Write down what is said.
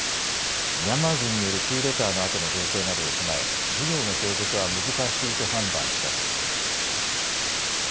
ミャンマー軍によるクーデターのあとの情勢などを踏まえ事業の継続は難しいと判断したとしています。